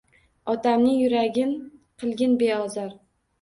Otamning yuragin qilgin beozor